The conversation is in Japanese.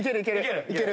いける。